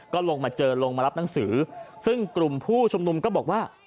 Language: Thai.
ก็ลงมาเจอลงมารับหนังสือซึ่งกลุ่มผู้ชุมนุมก็บอกว่า